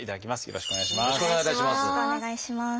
よろしくお願いします。